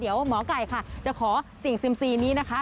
เดี๋ยวหมอไก่ค่ะจะขอเสี่ยงเซียมซีนี้นะคะ